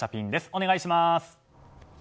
お願いします。